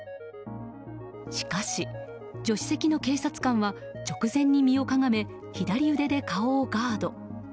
しかし、助手席の警察官は直前に身をかがめ左腕で顔をガード。